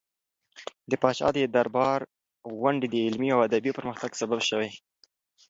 د پاچا د دربار غونډې د علمي او ادبي پرمختګ سبب شوې.